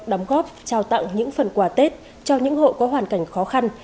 đóng góp trao tặng những phần quà tết cho những hộ có hoàn cảnh khó khăn